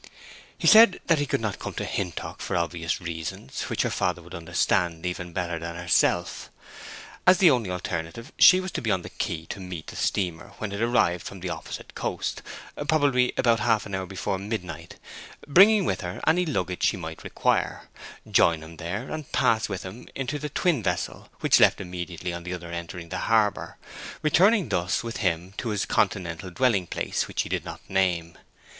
He said that he could not come to Hintock for obvious reasons, which her father would understand even better than herself. As the only alternative she was to be on the quay to meet the steamer when it arrived from the opposite coast, probably about half an hour before midnight, bringing with her any luggage she might require; join him there, and pass with him into the twin vessel, which left immediately the other entered the harbor; returning thus with him to his continental dwelling place, which he did not name.